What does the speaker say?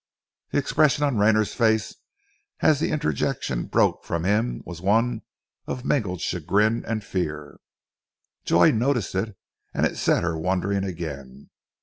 The expression on Rayner's face, as the interjection broke from him, was one of mingled chagrin and fear. Joy noticed it, and it set her wondering again.